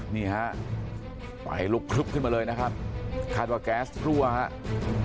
นี่ฮะไฟลุกพลึบขึ้นมาเลยนะครับคาดว่าแก๊สรั่วครับ